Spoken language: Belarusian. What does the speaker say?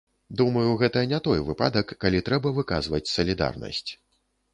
Думаю, гэта не той выпадак, калі трэба выказваць салідарнасць.